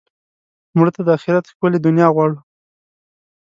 مړه ته د آخرت ښکلې دنیا غواړو